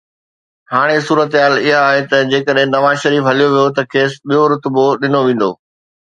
هاڻي صورتحال اها آهي ته جيڪڏهن نواز شريف هليو ويو ته کيس ٻيو رتبو ڏنو ويندو